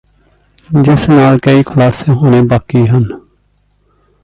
ਜਿਸ ਨਾਲ ਕਈ ਖੁਲਾਸੇ ਹੋਣੇ ਬਾਕੀ ਹਨ